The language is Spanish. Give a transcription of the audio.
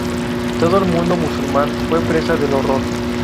Todo el mundo musulmán fue presa del horror.